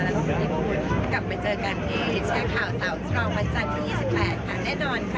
และทุกคนญี่ปุ่นกลับมาเจอกันให้แชร์ข่าวสาวสตรองมาจากที่๒๘ค่ะแน่นอนค่ะ